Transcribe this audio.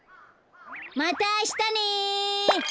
またあしたね！